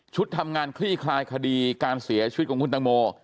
ทำงานคลี่คลายคดีการเสียชีวิตของคุณตังโม